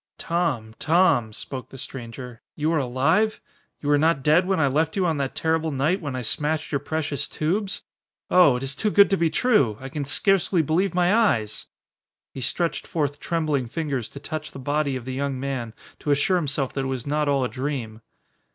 "Tom Tom," spoke the stranger, "you are alive? You were not dead when I left you on that terrible night when I smashed your precious tubes? Oh it is too good to be true! I can scarcely believe my eyes!" He stretched forth trembling fingers to touch the body of the young man to assure himself that it was not all a dream.